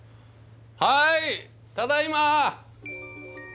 はいただいま！